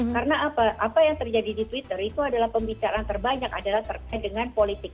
karena apa yang terjadi di twitter itu adalah pembicaraan terbanyak adalah terkait dengan politik